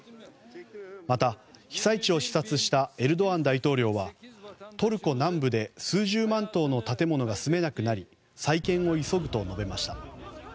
また、被災地を視察したエルドアン大統領はトルコ南部で数十万棟の建物が住めなくなり再建を急ぐと述べました。